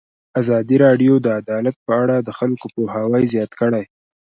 ازادي راډیو د عدالت په اړه د خلکو پوهاوی زیات کړی.